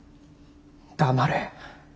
黙れ。